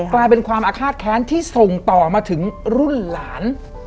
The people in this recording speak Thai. กลายเป็นความอาฆาตแค้นที่ส่งต่อมาถึงรุ่นหลาน